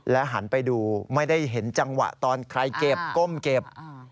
หันไปดูไม่ได้เห็นจังหวะตอนใครเก็บก้มเก็บ